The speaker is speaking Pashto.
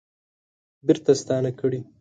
بیرته ستانه کړي